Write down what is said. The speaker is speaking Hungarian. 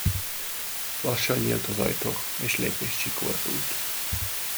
Lassan nyílt az ajtó, és lépés csikordult.